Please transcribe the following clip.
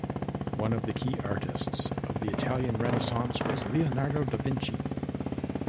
One of the key artists of the Italian Renaissance was Leonardo da Vinci.